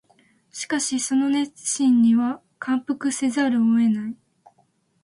しかしその熱心には感服せざるを得ない